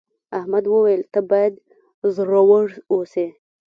احمد وویل ته باید زړور اوسې.